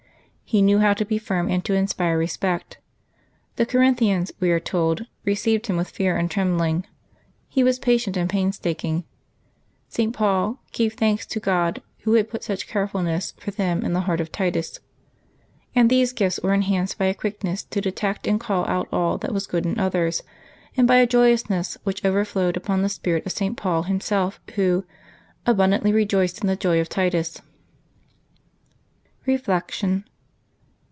He knew how to be firm and to inspire respect. The Corinthians, we are told, " received him with fear and trembling." He was patient and painstaking. St. Paul "gave thanks to Grod, Who had put such carefulness for them in the heart of Titus." And these gifts were enlianced by a quickness to detect and call out all that was good in others, and by a joyousness which overflowed upon the spirit of St. Paul himself, who " abundantly rejoiced in the joy of Titus." Reflection.